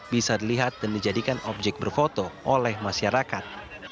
bisa dilihat dan dijadikan objek berfoto oleh masyarakat